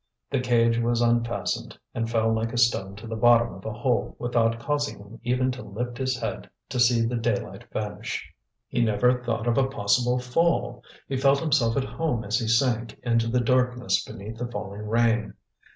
The cage was unfastened, and fell like a stone to the bottom of a hole without causing him even to lift his head to see the daylight vanish. He never thought of a possible fall; he felt himself at home as he sank into the darkness beneath the falling rain.